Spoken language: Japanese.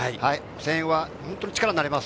声援は本当に力になります。